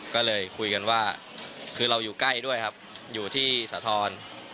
ก็เลยคุยกันว่าคือเราอยู่ใกล้ด้วยครับอยู่ที่สาธรณ์